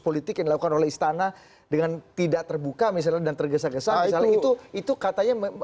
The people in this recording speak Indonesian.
politik yang dilakukan oleh istana dengan tidak terbuka misalnya dan tergesa gesa misalnya itu itu katanya